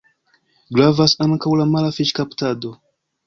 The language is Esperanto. Gravas ankaŭ la mara fiŝkaptado.